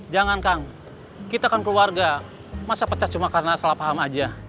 jangan kang kita kan keluarga masa pecah cuma karena salah paham aja